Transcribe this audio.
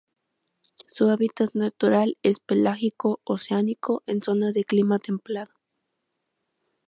Su hábitat natural es pelágico oceánico, en zonas de clima templado.